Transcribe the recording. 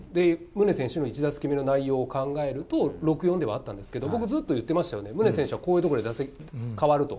宗選手の１打席目の内容を考えると、６ー４ではあったんですけれども、僕、ずっと言ってましたよね、宗選手はこういうところでかわると。